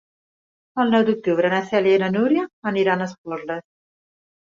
El nou d'octubre na Cèlia i na Núria aniran a Esporles.